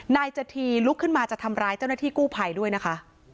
นายจธีลุกขึ้นมาจะทำร้ายเจ้าหน้าที่กู้ภัยด้วยนะคะ